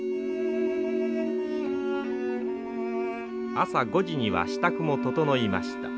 朝５時には支度も整いました。